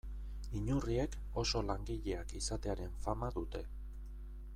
Inurriek oso langileak izatearen fama dute.